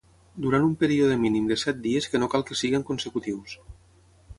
Durant un període mínim de set dies que no cal que siguin consecutius.